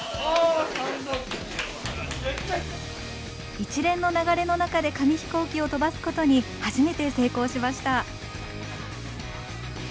一連の流れの中で紙ヒコーキを飛ばすことに初めて成功しました。